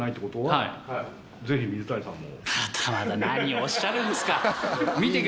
またまた何をおっしゃるんですか。